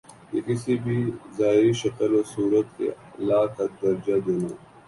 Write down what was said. کہ کسی بھی ظاہری شکل و صورت کو الہٰ کا درجہ دینا